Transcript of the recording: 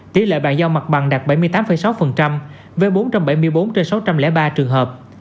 tỷ lệ bàn giao mặt bằng đạt bảy mươi tám sáu với bốn trăm bảy mươi bốn trên sáu trăm linh ba trường hợp